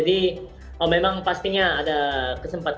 dan mereka akan lebih baik